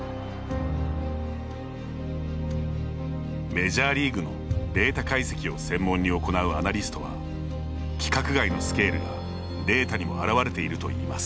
メジャーリーグのデータ解析を専門に行うアナリストは規格外のスケールがデータにも表れているといいます。